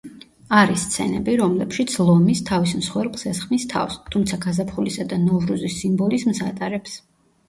არის სცენები, რომლებშიც ლომის თავის მსხვერპლს ესხმის თავს, თუმცა გაზაფხულისა და ნოვრუზის სიმბოლიზმს ატარებს.